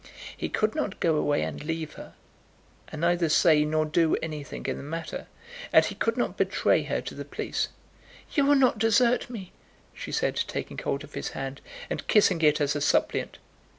He could not go away and leave her, and neither say nor do anything in the matter. And he could not betray her to the police. "You will not desert me!" she said, taking hold of his hand, and kissing it as a suppliant.